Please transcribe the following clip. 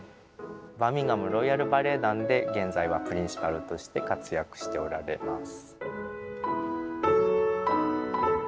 バーミンガム・ロイヤル・バレエ団で現在はプリンシパルとして活躍しておられます。